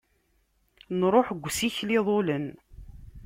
Nruḥ deg usikel iḍulen.